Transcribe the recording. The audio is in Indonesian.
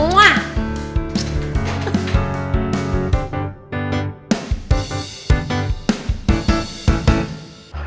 masa itu berapa kali ikut